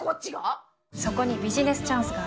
そこにビジネスチャンスが。